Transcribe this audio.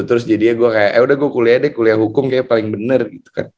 terus jadinya gue kayak yaudah gue kuliah deh kuliah hukum kayaknya paling bener gitu kan